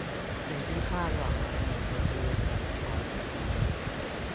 สิ่งที่คาดหวังไว้ในอนาคตดูจะคลอนแคลน